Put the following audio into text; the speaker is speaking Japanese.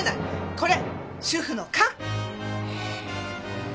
これ主婦の勘！